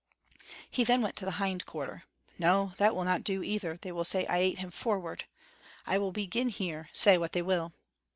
He then went to the hind quarter. "No, that will not do, either; they will say I ate him forward. I will begin here, say what they will."